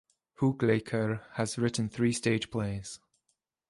Hugleikur has written three stage plays.